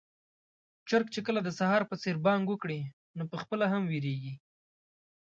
چرګ چې کله د سهار په څېر بانګ وکړي، نو پخپله هم وېريږي.